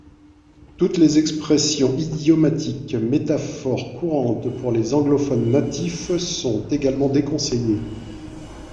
Toutes les expressions idiomatiques, métaphores courantes pour les anglophones natifs, sont également déconseillées.